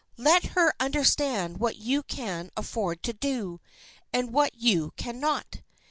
Let her understand what you can afford to do, and what you can not.